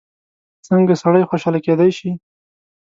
څنګه سړی خوشحاله کېدای شي؟